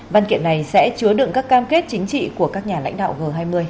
văn kiện này sẽ chứa đựng các cam kết chính trị của các nhà lãnh đạo g hai mươi